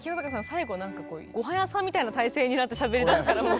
最後なんかこうご飯屋さんみたいな体勢になってしゃべりだすからもう。